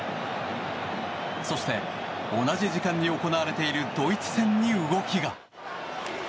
そして、同じ時間に行われているドイツ戦に動きが。